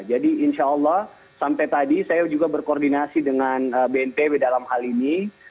jadi insya allah sampai tadi saya juga berkoordinasi dengan bnp dalam hal ini